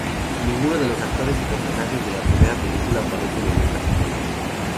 Ninguno de los actores y personajes de la primera película aparecen en esta secuela.